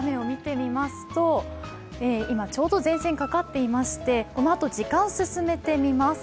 今、ちょうど前線がかかっていましてこのあと時間を進めてみます。